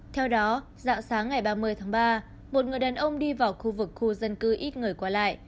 theo đó dạng sáng ngày ba mươi tháng ba một người đàn ông đi vào khu vực khu dân cư ít người qua lại